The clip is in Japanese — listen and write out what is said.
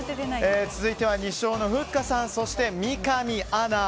続いては２勝のふっかさん、そして三上アナ。